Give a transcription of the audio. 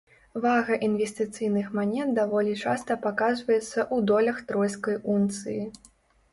Вага інвестыцыйных манет даволі часта паказваецца ў долях тройскай унцыі.